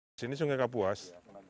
di sini sungai kapuas